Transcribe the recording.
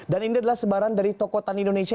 dan ini adalah sebaran dari toko tani indonesia